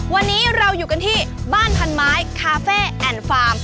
วันนี้เราอยู่กันที่บ้านพันไม้คาเฟ่แอนด์ฟาร์ม